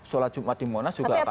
sholat jumat di monas juga akan